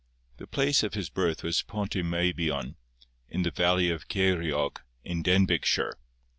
The place of his birth was Pont y Meibion, in the valley of Ceiriog, in Denbighshire.